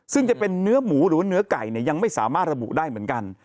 ซึ่งจะเป็นเนื้อหมูหรือว่าเนื้อไก่ยังไม่สามารถระบุได้เหมือนกัน